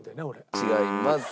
違います。